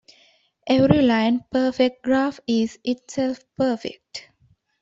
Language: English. Every line perfect graph is itself perfect.